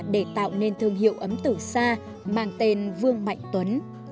để tạo nên thương hiệu ấm từ xa mang tên vương mạnh tuấn